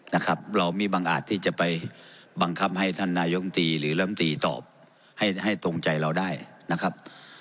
นะครับเรามีบางอาจที่จะไปบังคับให้ท่านนายมตรีหรือลำตีตอบให้ให้ตรงใจเราได้นะครับ